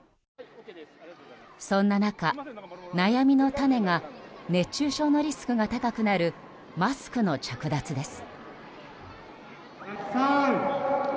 そんな中、悩みの種が熱中症のリスクが高くなるマスクの着脱です。